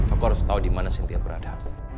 aku harus tau dimana sintia berada